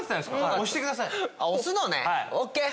押してください。